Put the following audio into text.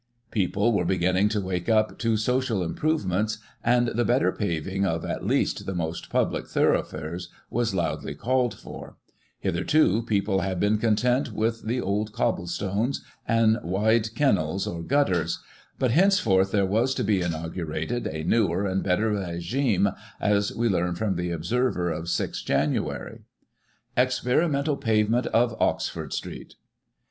People were beginning to wake up as to social improve ments, and the better paving of, at least, the most public thoroughfares, was loudly called for. Hitherto people had been content with the old cobble stones, and wide kennels, Digiti ized by Google 1839] STREET PAVEMENTS. 79 or gutters — ^but henceforth there was to be inaugurated a newer and better regime^ as we learn from the Observer of 6 Jan.: ^ Experimental Pavement of Oxford Street.